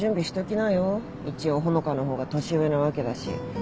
一応穂香の方が年上なわけだし